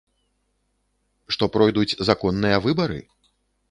Што пройдуць законныя выбары?